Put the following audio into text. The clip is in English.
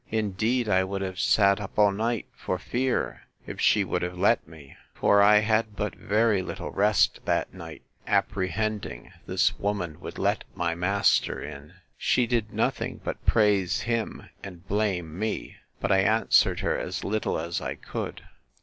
Indeed I would have sat up all night, for fear, if she would have let me. For I had but very little rest that night, apprehending this woman would let my master in. She did nothing but praise him, and blame me: but I answered her as little as I could.